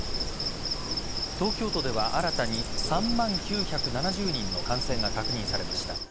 東京都では新たに３万９７０人の感染が確認されました。